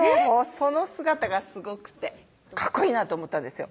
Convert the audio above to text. その姿がすごくてカッコいいなと思ったんですよ